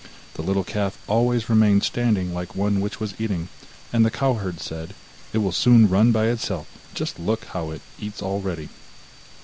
The little calf always remained standing like one which was eating, and the cow herd said: 'It will soon run by itself, just look how it eats already!